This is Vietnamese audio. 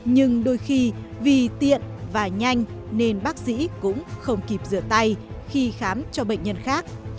nhưng đôi khi vì tiện và nhanh nên bác sĩ cũng không kịp rửa tay khi khám cho bệnh nhân khác